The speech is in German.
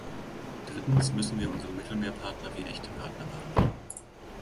Drittens müssen wir unsere Mittelmeerpartner wie echte Partner behandeln.